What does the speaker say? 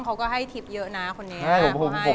เขาให้เทปเยอะนะคนนี้